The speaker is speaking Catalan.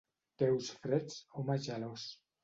Peus freds, home gelós.